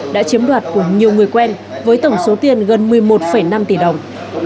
đã chiếm đoạt của nhiều người quen với tổng số tiền gần một mươi một năm tỷ đồng